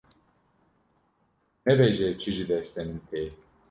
nebêje çi ji destê min tê.